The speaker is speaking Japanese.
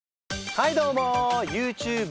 はいどうも！